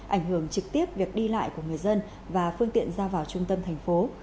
ảnh hưởng trực tiếp việc đi lại của người dân và phương tiện ra vào trung tâm thành phố